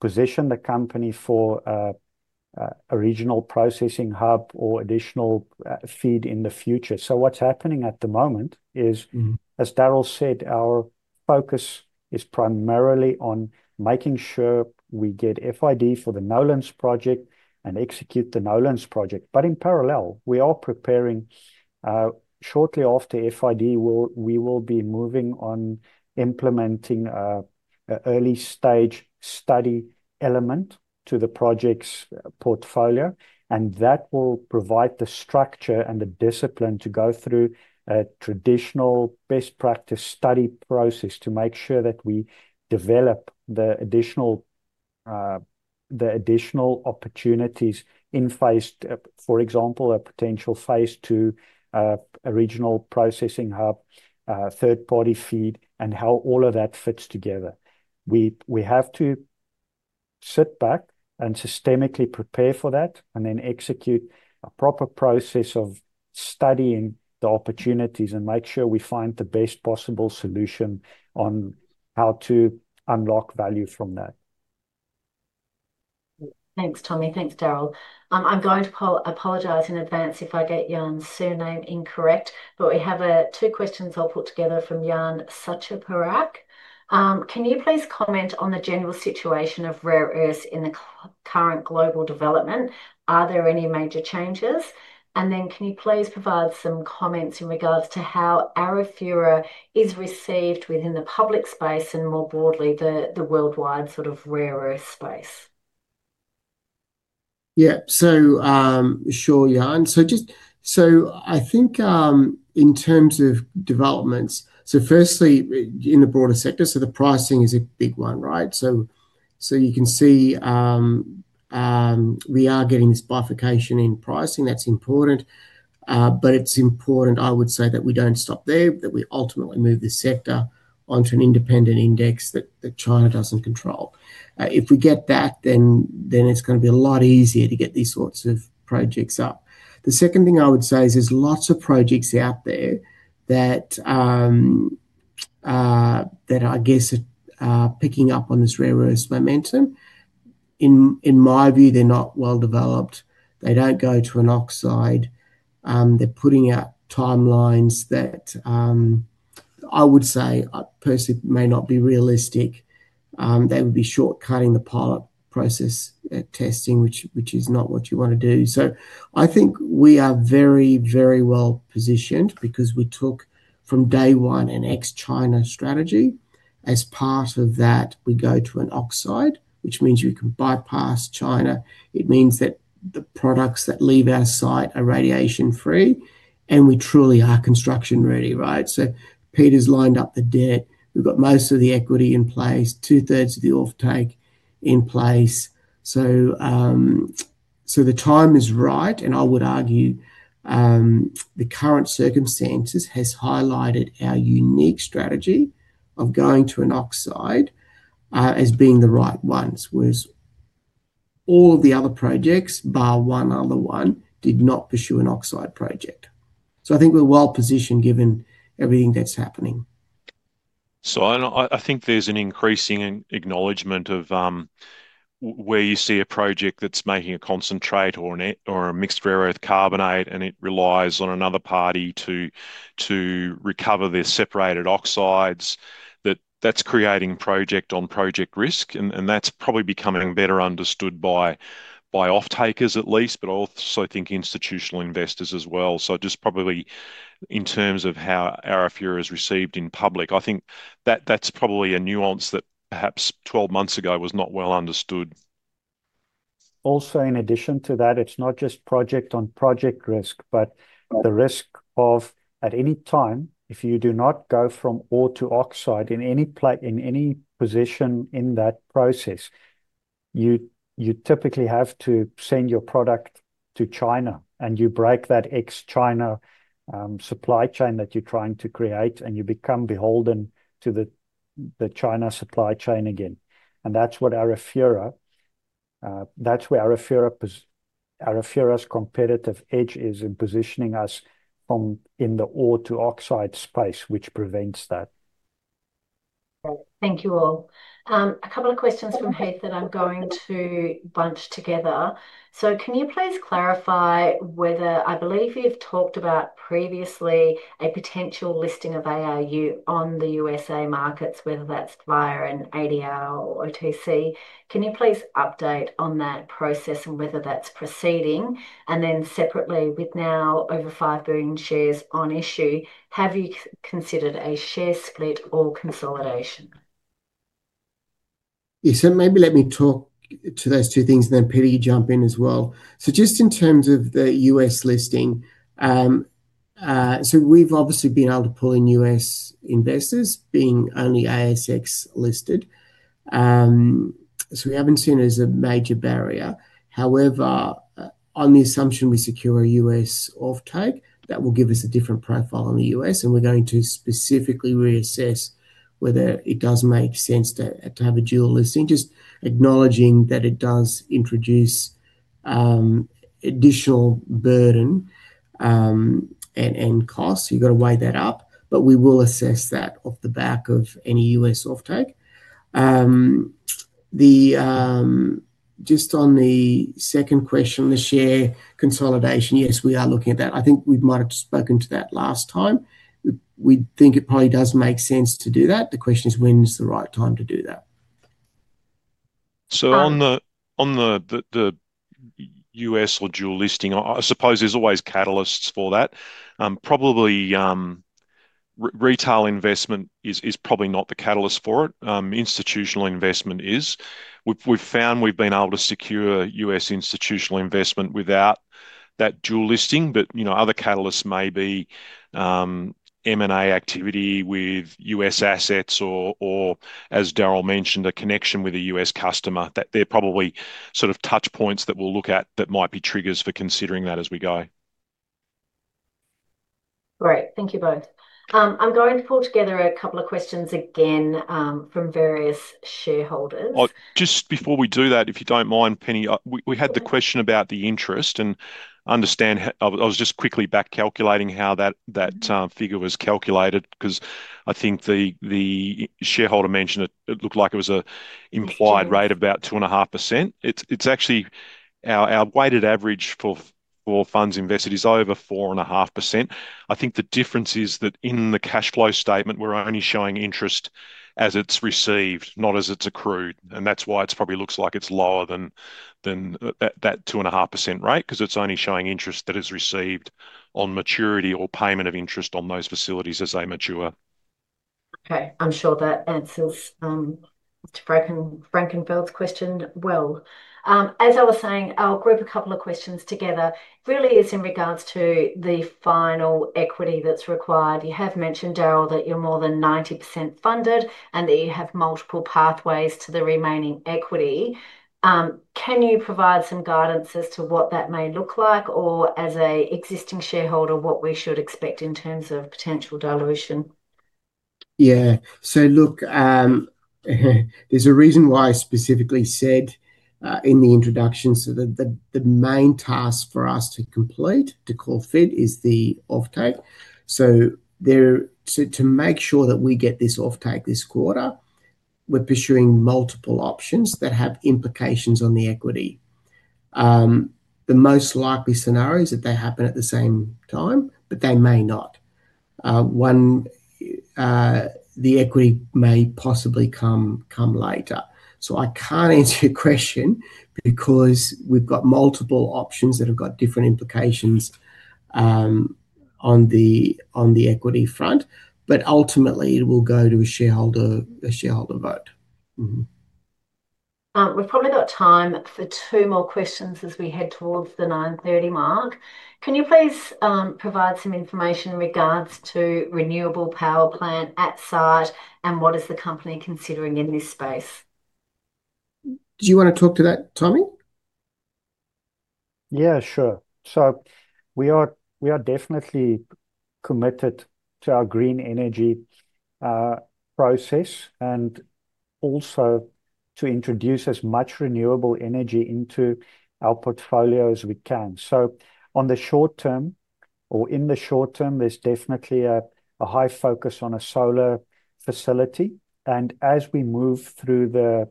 position the company for a regional processing hub or additional FID in the future. What's happening at the moment is. Mm-hmm as Darryl said, our focus is primarily on making sure we get FID for the Nolans Project and execute the Nolans Project. In parallel, we are preparing, shortly after FID, we will be moving on implementing a early stage study element to the project's portfolio. That will provide the structure and the discipline to go through a traditional best practice study process to make sure that we develop the additional, the additional opportunities in phase, for example, a potential phase two, a regional processing hub, third-party FID, and how all of that fits together. We have to sit back and systemically prepare for that, and then execute a proper process of studying the opportunities and make sure we find the best possible solution on how to unlock value from that. Thanks, Tommie. Thanks, Darryl. I'm going to apologize in advance if I get Jan's surname incorrect. We have two questions all put together from Jan Suchoparak. Can you please comment on the general situation of rare earths in the current global development? Are there any major changes? Can you please provide some comments in regards to how Arafura is received within the public space and more broadly the worldwide sort of rare earth space? Yeah. Sure, Jan. Just, I think, in terms of developments, firstly in the broader sector, the pricing is a big one, right? You can see, we are getting this bifurcation in pricing. That's important. It's important, I would say, that we don't stop there, that we ultimately move this sector onto an independent index that China doesn't control. If we get that, it's gonna be a lot easier to get these sorts of projects up. The second thing I would say is there's lots of projects out there that I guess are picking up on this rare earths momentum. In my view, they're not well developed. They don't go to an oxide. They're putting out timelines that I would say, personally may not be realistic. They would be short cutting the pilot process at testing, which is not what you want to do. I think we are very, very well positioned because we took from day one an ex-China strategy. As part of that, we go to an oxide, which means you can bypass China. It means that the products that leave our site are radiation free, and we truly are construction ready, right? Peter's lined up the debt. We've got most of the equity in place, two-thirds of the offtake in place. The time is right and I would argue, the current circumstances has highlighted our unique strategy of going to an oxide as being the right ones. Whereas all the other projects, bar one other one, did not pursue an oxide project. I think we're well positioned given everything that's happening. I don't know, I think there's an increasing acknowledgment of where you see a project that's making a concentrate or a mixed rare earth carbonate, and it relies on another party to recover their separated oxides, that's creating project-on-project risk. That's probably becoming better understood by offtakers at least, but also I think institutional investors as well. Just probably in terms of how Arafura is received in public, I think that's probably a nuance that perhaps 12 months ago was not well understood. Also, in addition to that, it's not just project-on-project risk, but the risk of at any time if you do not go from ore to oxide in any position in that process, you typically have to send your product to China and you break that ex-China supply chain that you're trying to create, and you become beholden to the China supply chain again. That's what Arafura, that's where Arafura's competitive edge is in positioning us from in the ore to oxide space, which prevents that. Thank you all. A couple of questions from Heath that I'm going to bunch together. Can you please clarify whether I believe you've talked about previously a potential listing of ARU on the USA markets, whether that's via an ADR or OTC? Can you please update on that process and whether that's proceeding? Separately, with now over 5 billion shares on issue, have you considered a share split or consolidation? Yeah. Maybe let me talk to those two things and then, Penny, you jump in as well. Just in terms of the U.S. listing, so we've obviously been able to pull in US investors being only ASX listed. We haven't seen it as a major barrier. However, on the assumption we secure a U.S. offtake, that will give us a different profile in the U.S. and we're going to specifically reassess whether it does make sense to have a dual listing. Just acknowledging that it does introduce additional burden and cost. You've got to weigh that up. We will assess that off the back of any U.S. offtake. Just on the second question, the share consolidation, yes, we are looking at that. I think we might have spoken to that last time. We think it probably does make sense to do that. The question is when is the right time to do that? So on the- Um-... on the U.S. or dual listing, I suppose there's always catalysts for that. Probably retail investment is probably not the catalyst for it. Institutional investment is. We've found we've been able to secure US institutional investment without that dual listing. You know, other catalysts may be M&A activity with US assets or as Darryl mentioned, a connection with a US customer. They're probably sort of touch points that we'll look at that might be triggers for considering that as we go. Great. Thank you both. I'm going to pull together a couple of questions again, from various shareholders. Just before we do that, if you don't mind, Penelope, we had the question about the interest and understand I was just quickly back calculating how that. Mm-hmm... term figure was calculated. 'Cause I think the shareholder mentioned it looked like it was a implied rate- Sure About 2.5%. It's actually our weighted average for funds invested is over 4.5%. I think the difference is that in the cash flow statement, we're only showing interest as it's received, not as it's accrued. That's why it's probably looks like it's lower than that 2.5% rate. 'Cause it's only showing interest that is received on maturity or payment of interest on those facilities as they mature. Okay. I'm sure that answers Frankenfeld's question well. I was saying, I'll group a couple of questions together. Really it's in regards to the final equity that's required. You have mentioned, Darryl, that you're more than 90% funded and that you have multiple pathways to the remaining equity. Can you provide some guidance as to what that may look like? Or as an existing shareholder, what we should expect in terms of potential dilution? Look, there's a reason why I specifically said in the introduction. The main task for us to complete, to call FID, is the offtake. To make sure that we get this offtake this quarter, we're pursuing multiple options that have implications on the equity. The most likely scenario is if they happen at the same time, but they may not. The equity may possibly come later. I can't answer your question because we've got multiple options that have got different implications on the equity front. Ultimately it will go to a shareholder vote. Mm-hmm. We've probably got time for two more questions as we head towards the 9:30 mark. Can you please provide some information in regards to renewable power plant at site, and what is the company considering in this space? Do you want to talk to that, Tommie? Yeah, sure. We are definitely committed to our green energy process and also to introduce as much renewable energy into our portfolio as we can. In the short term, there's definitely a high focus on a solar facility. As we move through the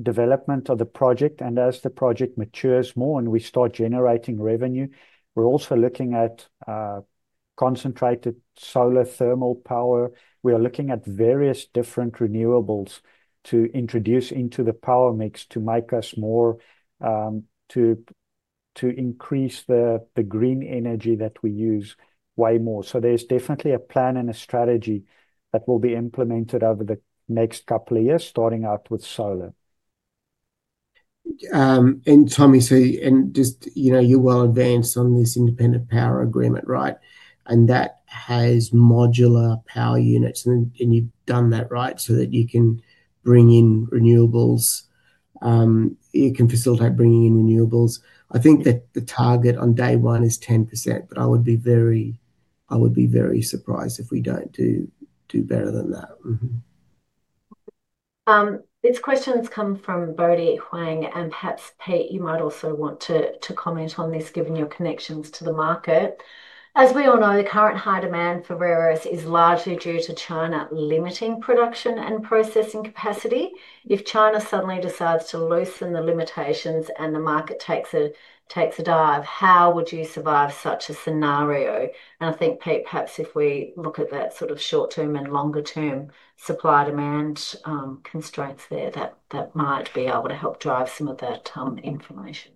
development of the project, and as the project matures more and we start generating revenue, we're also looking at concentrating solar-thermal power. We are looking at various different renewables to introduce into the power mix to make us more to increase the green energy that we use way more. There's definitely a plan and a strategy that will be implemented over the next couple of years, starting out with solar. Tommie, you know, you're well advanced on this independent power agreement, right? That has modular power units. You've done that, right? That you can bring in renewables, it can facilitate bringing in renewables. I think that the target on day one is 10%, but I would be very surprised if we don't do better than that. Mm-hmm. This question's come from Bernard Ho, and perhaps, Pete, you might also want to comment on this given your connections to the market. As we all know, the current high demand for rare earths is largely due to China limiting production and processing capacity. If China suddenly decides to loosen the limitations and the market takes a dive, how would you survive such a scenario? I think, Pete, perhaps if we look at that sort of short term and longer term supply, demand, constraints there, that might be able to help drive some of that information.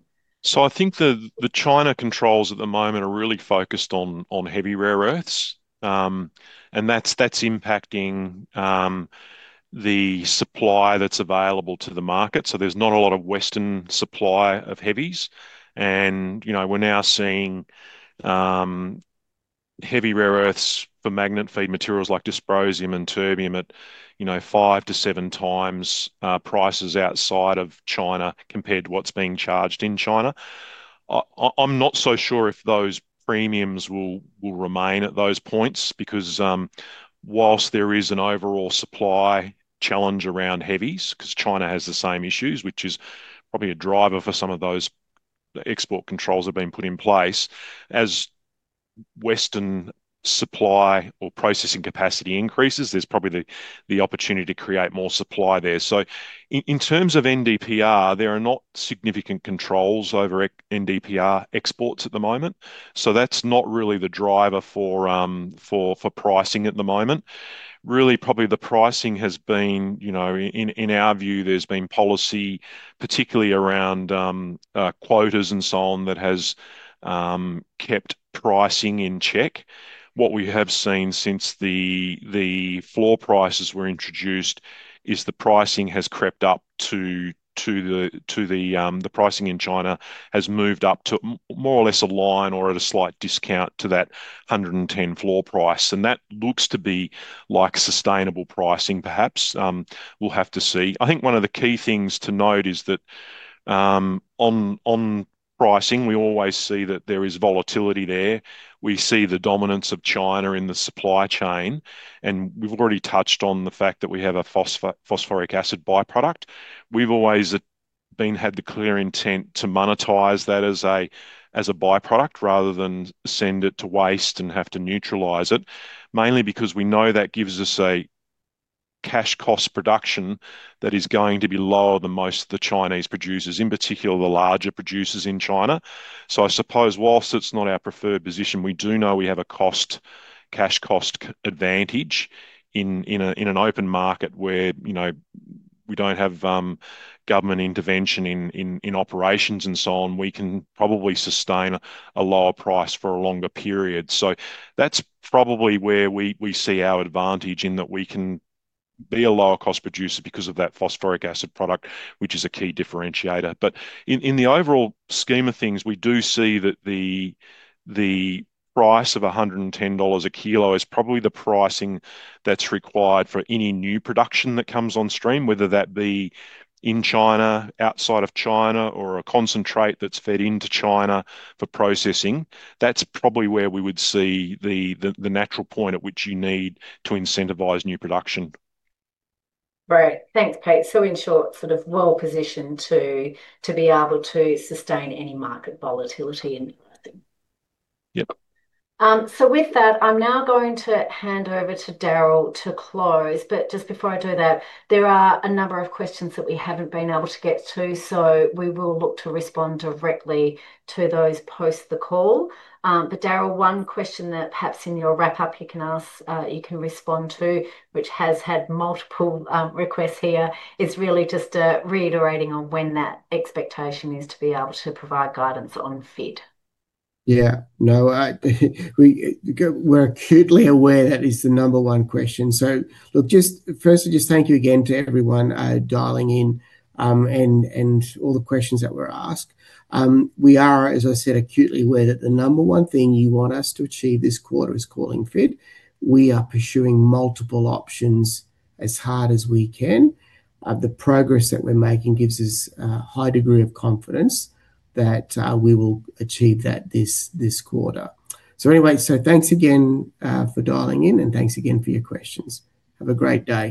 I think the China controls at the moment are really focused on heavy rare earths. That's impacting the supply that's available to the market. There's not a lot of Western supply of heavies. You know, we're now seeing heavy rare earths for magnet FID materials like dysprosium and terbium at, you know, 5x-7x prices outside of China compared to what's being charged in China. I'm not so sure if those premiums will remain at those points. Whilst there is an overall supply challenge around heavies, because China has the same issues, which is probably a driver for some of those export controls that have been put in place. As Western supply or processing capacity increases, there's probably the opportunity to create more supply there. In terms of NdPr, there are not significant controls over NdPr exports at the moment, so that's not really the driver for pricing at the moment. Really, probably the pricing has been, you know, in our view, there's been policy, particularly around quotas and so on, that has kept pricing in check. What we have seen since the floor prices were introduced is the pricing has crept up to the pricing in China has moved up to more or less align or at a slight discount to that 110 floor price. That looks to be like sustainable pricing perhaps. We'll have to see. I think one of the key things to note is that on pricing, we always see that there is volatility there. We see the dominance of China in the supply chain. We've already touched on the fact that we have a phosphoric acid by-product. We've always had the clear intent to monetize that as a by-product rather than send it to waste and have to neutralize it. Mainly because we know that gives us a cash cost production that is going to be lower than most of the Chinese producers, in particular, the larger producers in China. I suppose whilst it's not our preferred position, we do know we have a cash cost advantage in a in an open market where, you know, we don't have government intervention in operations and so on. We can probably sustain a lower price for a longer period. That's probably where we see our advantage, in that we can be a lower cost producer because of that phosphoric acid product, which is a key differentiator. In the overall scheme of things, we do see that the price of 110 dollars a kilo is probably the pricing that's required for any new production that comes on stream, whether that be in China, outside of China, or a concentrate that's fed into China for processing. That's probably where we would see the natural point at which you need to incentivize new production. Right. Thanks, Pete. In short, sort of well-positioned to be able to sustain any market volatility. I think. Yep. With that, I'm now going to hand over to Darryl to close. Just before I do that, there are a number of questions that we haven't been able to get to. We will look to respond directly to those post the call. Darryl, one question that perhaps in your wrap up you can ask, you can respond to, which has had multiple requests here, is really just reiterating on when that expectation is to be able to provide guidance on FID. No, we're acutely aware that is the number one question. Look, firstly, thank you again to everyone dialing in, and all the questions that were asked. We are, as I said, acutely aware that the number one thing you want us to achieve this quarter is calling FID. We are pursuing multiple options as hard as we can. The progress that we're making gives us a high degree of confidence that we will achieve that this quarter. Anyway, thanks again for dialing in, and thanks again for your questions. Have a great day.